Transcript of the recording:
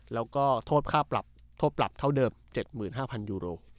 แล้วก็โทษค่าปรับโทษปรับเท่าเดิม๗๕๐๐ยูโร